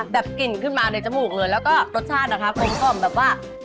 กลิ่นขึ้นมาในจมูกเลยแล้วก็รสชาตินะคะกลมกล่อมแบบว่า